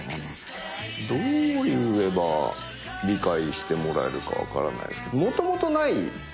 どう言えば理解してもらえるか分からないですけどもともとない。